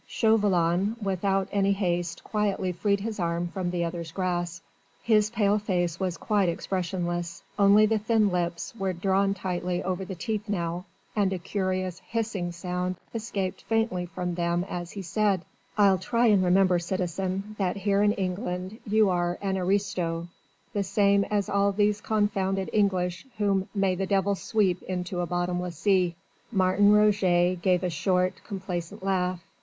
Chauvelin without any haste quietly freed his arm from the other's grasp. His pale face was quite expressionless, only the thin lips were drawn tightly over the teeth now, and a curious hissing sound escaped faintly from them as he said: "I'll try and remember, citizen, that here in England you are an aristo, the same as all these confounded English whom may the devil sweep into a bottomless sea." Martin Roget gave a short, complacent laugh.